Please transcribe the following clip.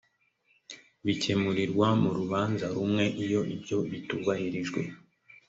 bikemurirwa mu rubanza rumwe iyo ibyo bitubahirijwe